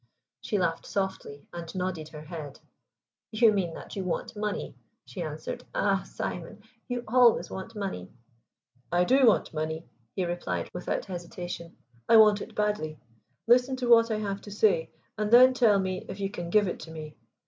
She laughed softly, and nodded her head. "You mean that you want money," she answered. "Ah, Simon, you always want money." "I do want money," he replied without hesitation. "I want it badly. Listen to what I have to say, and then tell me if you can give it to me.